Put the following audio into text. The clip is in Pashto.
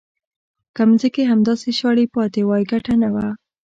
که ځمکې همداسې شاړې پاتې وای ګټه نه وه.